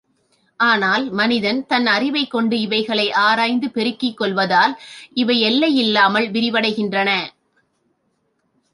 ஆனால் மனிதன் தன் அறிவைக் கொண்டு இவைகளை ஆராய்ந்து பெருக்கிக் கொள்வதால், இவை எல்லை யில்லாமல் விரிவடைகின்றன.